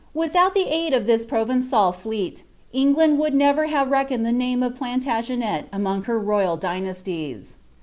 Without the aid of this Provencal iMIf England would never have reckoned the nama of Plantagenet tnoog bcr royal dynasties.